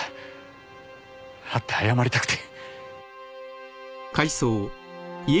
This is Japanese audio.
会って謝りたくて。